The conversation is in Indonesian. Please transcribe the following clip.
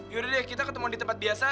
yaudah deh kita ketemu di tempat biasa